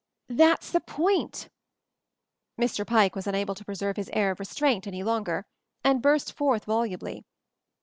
"That's the point I" Mr. Pike was unable to preserve his air of restraint any longer, and burst forth volubly.